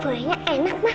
bolehnya enak mak